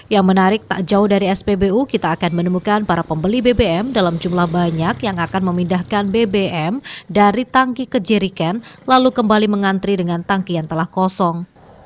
yang menarik tak jauh dari spbu kita akan menemukan para pembeli bbm dalam jumlah banyak yang akan memindahkan bbm dari tangki ke jeriken lalu kembali mengantri dengan tangki yang telah kosong